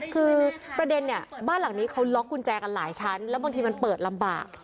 คือประเด็นเนี่ยบ้านหลังนี้เขาล็อกกุญแจกันหลายชั้นแล้วบางทีมันเปิดลำบาก